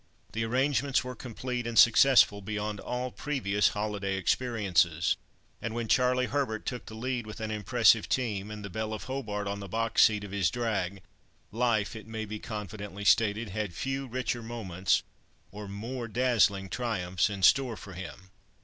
The arrangements were complete and successful, beyond all previous holiday experiences, and when Charlie Herbert took the lead with an impressive team, and the belle of Hobart on the box seat of his drag, life, it may be confidently stated, had few richer moments, or more dazzling triumphs in store for him.